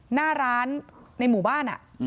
หน้าร้านในหมู่บ้าน